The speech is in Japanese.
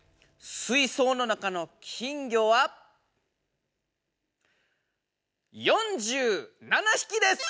水そうの中の金魚は４７ひきです！